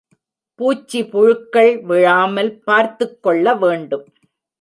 பூச்சி புழுக்கள் விழாமல் பார்த்துக் கொள்ளவேண்டும்.